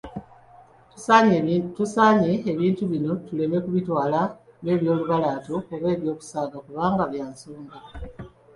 Tusaanye ebintu bino tuleme kubitwala ng'ebyolubalaato oba eby'okusaaga kubanga bya nsonga.